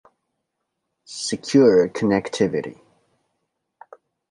Secure Connectivity